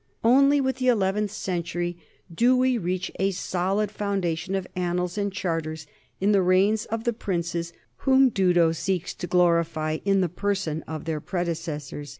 Only with the eleventh century do we reach a solid foundation of annals and charters in the reigns of the princes whom Dudo seeks to glorify in the person of their predecessors.